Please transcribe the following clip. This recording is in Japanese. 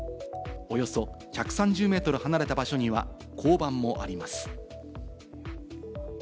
およそ１３０メートル離れた場所には交番もあります。